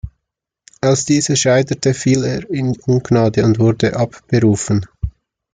Als diese scheiterte, fiel er in Ungnade und wurde abberufen.